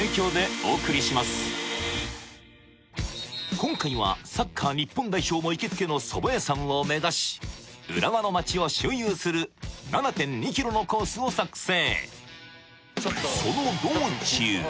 今回はサッカー日本代表も行きつけの蕎麦屋さんを目指し浦和の街を周遊する７．２ｋｍのコースを作成